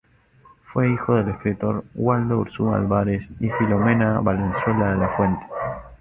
Fue hijo del escritor Waldo Urzúa Álvarez y Filomena Valenzuela de la Fuente.